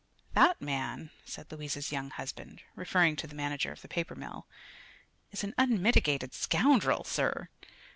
"That man," said Louise's young husband, referring to the manager of the paper mill, "is an unmitigated scoundrel, sir."